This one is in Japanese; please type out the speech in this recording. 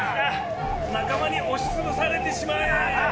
仲間に押しつぶされてしまえ！